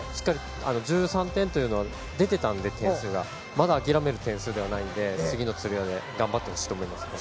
１３点という点数は出ていたのでまだ諦める点数ではないので次のつり輪で頑張ってほしいと思います。